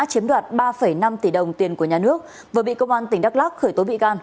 chiếm đoạt ba năm tỷ đồng tiền của nhà nước vừa bị công an tỉnh đắk lắc khởi tố bị can